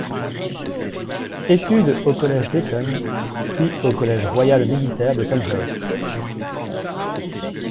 Études au Collège d'Eton puis au Collège royal militaire de Sandhurst.